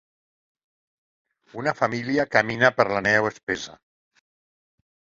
Una família camina per la neu espessa.